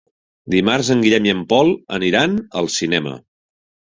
Dimarts en Guillem i en Pol aniran al cinema.